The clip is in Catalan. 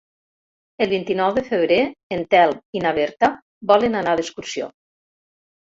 El vint-i-nou de febrer en Telm i na Berta volen anar d'excursió.